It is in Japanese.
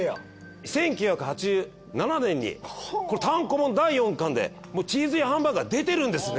１９８７年にこれ単行本の第４巻でチーズインハンバーグが出てるんですね。